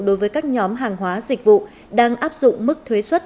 đối với các nhóm hàng hóa dịch vụ đang áp dụng mức thuế xuất